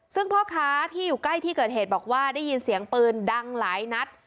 ซึ่งพ่อค้าที่อยู่ใกล้ที่เกิดเหตุบอกว่าได้ยินเสียงปืนดังหลายนัด